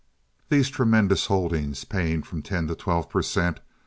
These tremendous holdings, paying from ten to twelve per cent.